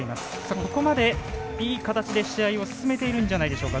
ここまでいい形で試合を進めているんじゃないでしょうか。